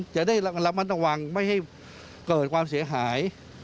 จะได้ระมัดระวังไม่ให้เกิดความเสียหาย